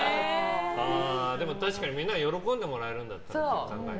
でも、確かにみんなに喜んでもらえるんだったらね。